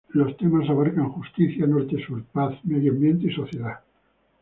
Los temas abarcan justicia norte-sur, paz, medioambiente y sociedad.